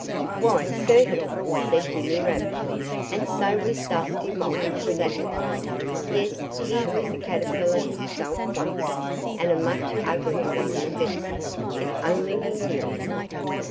"Why, certainly!" said Jimmy Rabbit. "And so was Dusty Moth, for that matter. Yes! he was a caterpillar himself, once and a much uglier one than Betsy, if only he knew it.